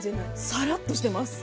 さらっとしてます。